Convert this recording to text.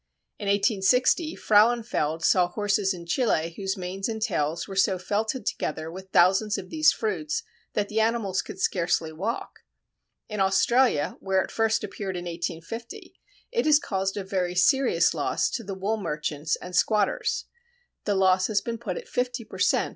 In 1860 Frauenfeld saw horses in Chile whose manes and tails were so felted together with thousands of these fruits that the animals could scarcely walk. In Australia, where it first appeared in 1850, it has caused a very serious loss to the wool merchants and squatters. The loss has been put at 50 per cent.